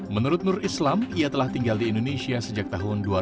menurut nur islam ia telah tinggal di indonesia sejak tahun dua ribu